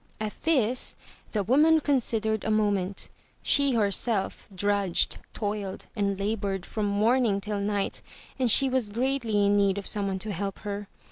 At this the woman considered a moment. She herself drudged, toiled and labored from morning till night and she was greatly in need of someone to help her.